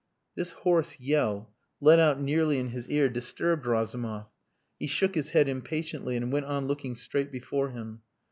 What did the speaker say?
This hoarse yell, let out nearly in his ear, disturbed Razumov. He shook his head impatiently and went on looking straight before him.